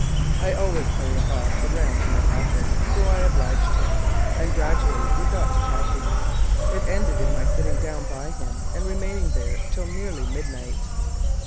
I always carry a box around in my pocket, so I obliged him, and gradually we got to talking. It ended in my sitting down by him and remaining there till nearly midnight.